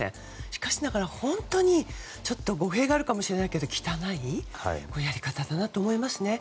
しかしながら本当に語弊があるかもしれないけど汚いやり方だと思いますね。